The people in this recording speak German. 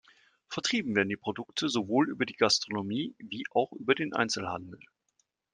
Vertrieben werden die Produkte sowohl über die Gastronomie wie auch über den Einzelhandel.